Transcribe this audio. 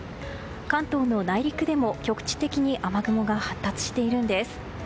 関東の内陸でも局地的に雨雲が発達しているんです。